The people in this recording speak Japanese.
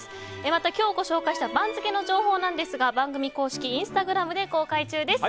また、今日ご紹介した番付の情報なんですが番組公式インスタグラムで公開中です。